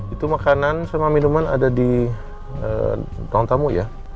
itu makanan sama minuman ada di ruang tamu ya